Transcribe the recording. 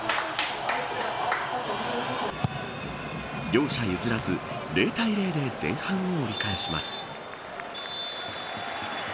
両者譲らず０対０で前半を折り返します。